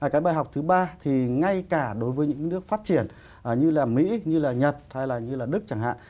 cái bài học thứ ba thì ngay cả đối với những nước phát triển như là mỹ như là nhật hay là như là đức chẳng hạn